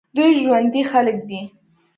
دوی ژوندي خلک دي.